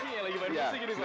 ini lagi main musik gitu pak ya